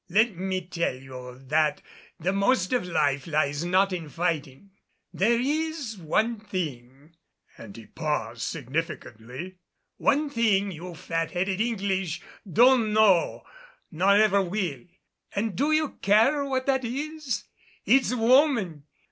"Let me tell you that the most of life lies not in fighting. There is one thing," and he paused significantly, "one thing you fat headed English don't know nor ever will. And do you care what that is? It's woman!